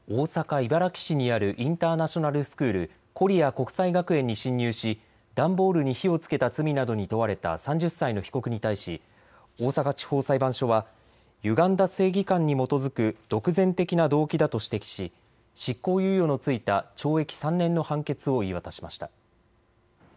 茨木市にあるインターナショナルスクール、コリア国際学園に侵入し段ボールに火をつけた罪などに問われた３０歳の被告に対し大阪地方裁判所はゆがんだ正義感に基づく独善的な動機だと指摘し執行猶予の付いた懲役３年の判決を言い渡しました。